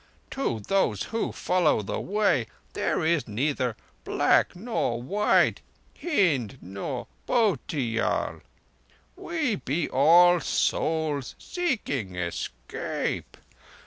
To those who follow the Way there is neither black nor white, Hind nor Bhotiyal. We be all souls seeking escape.